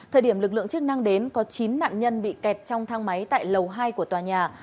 thời điểm lực lượng chức năng đến có chín nạn nhân bị kẹt trong thang máy tại lầu hai của tòa nhà